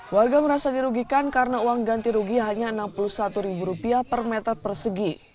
warga merasa dirugikan karena uang ganti rugi hanya rp enam puluh satu per meter persegi